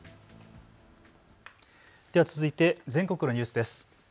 続いて全国のニュースです。